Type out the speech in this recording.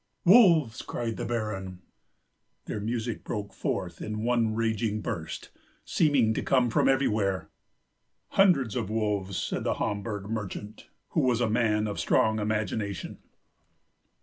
"Wolves!" cried the Baron. Their music broke forth in one raging burst, seeming to come from everywhere. "Hundreds of wolves," said the Hamburg merchant, who was a man of strong imagination.